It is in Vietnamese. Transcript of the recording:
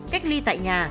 cách ly tại nhà